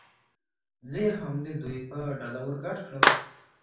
زه یې هم د دوی په ډله ور ګډ کړم.